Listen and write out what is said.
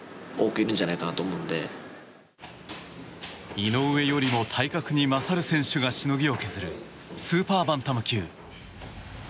井上よりも体格に勝る選手がしのぎを削るスーパーバンタム級。